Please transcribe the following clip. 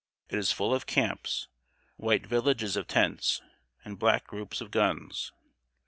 It is full of camps, white villages of tents, and black groups of guns.